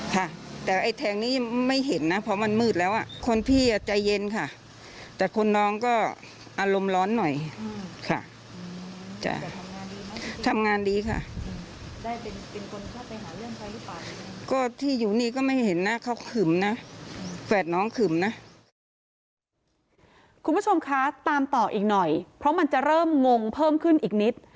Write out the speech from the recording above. คุณผู้ชมคะตามต่ออีกหน่อยเพราะมันจะเริ่มงงเพิ่มขึ้นอีกนิด